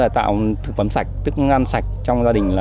tạo thực phẩm sạch thức ăn sạch trong gia đình